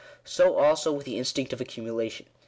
So also with the instinct of accumulation.